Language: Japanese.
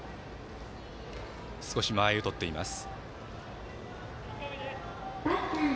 少し間合いをとっています。